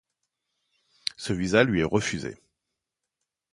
Ce visa lui est refusé.